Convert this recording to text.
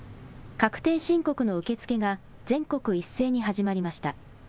確定申告の受け付けが、全国一斉に始まりました。